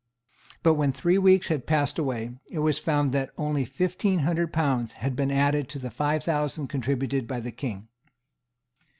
But when three weeks had passed away, it was found that only fifteen hundred pounds had been added to the five thousand contributed by the King.